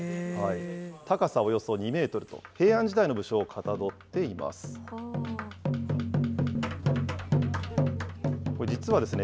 高さおよそ２メートルと、平安時代の武将をかたどっています。